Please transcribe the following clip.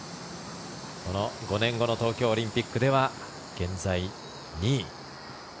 この５年後の東京オリンピックでは現在、２位。